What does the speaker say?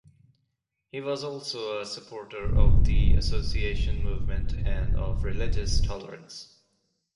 He was also a supporter of the Association Movement and of religious tolerance.